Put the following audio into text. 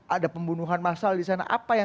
ada pembunuhan massal di sana